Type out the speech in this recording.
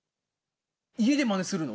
家でまねするの？